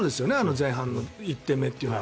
前半の１点目っていうのは。